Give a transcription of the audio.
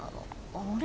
あれ？